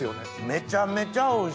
めちゃめちゃおいしい。